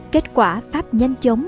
kết quả pháp nhanh chóng